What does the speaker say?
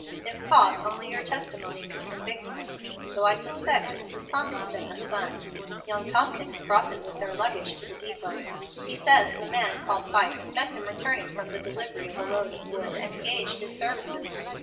If caught, only your testimony could convict them, though I suspect Mrs. Tompkins and her son. Young Tompkins brought them with their luggage to the depot. He says the man called 'Vight' met him returning from the delivery of a load of wood, and engaged his services.